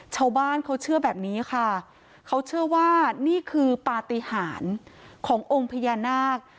ชาวบ้านเขาเชื่อแบบนี้ค่ะเขาเชื่อว่านี่คือปฏิหารขององค์พญานาค